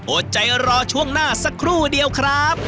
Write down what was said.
อดใจรอช่วงหน้าสักครู่เดียวครับ